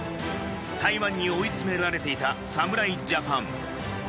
台湾に追い詰められていた侍ジャパン。